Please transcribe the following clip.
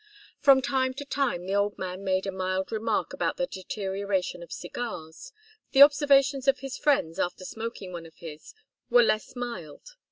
From time to time the old man made a mild remark about the deterioration of cigars. The observations of his friends, after smoking one of his, were less mild.